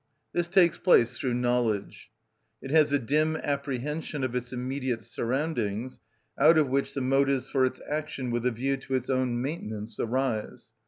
This takes place through knowledge. It has a dim apprehension of its immediate surroundings, out of which the motives for its action with a view to its own maintenance arise.